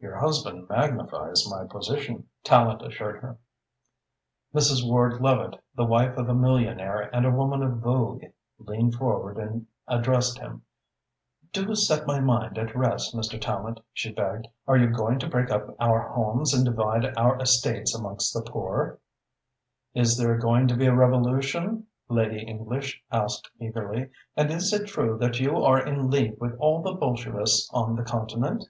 "Your husband magnifies my position," Tallente assured her. Mrs. Ward Levitte, the wife of a millionaire and a woman of vogue, leaned forward and addressed him. "Do set my mind at rest, Mr. Tallente," she begged. "Are you going to break up our homes and divide our estates amongst the poor?" "Is there going to be a revolution?" Lady English asked eagerly. "And is it true that you are in league with all the Bolshevists on the continent?"